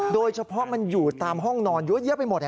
โดยเฉพาะมันอยู่ตามห้องนอนเยอะแยะไปหมด